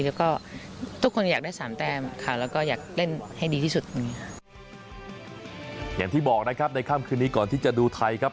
แล้วก็ทุกคนอยากได้๓แตมค่ะ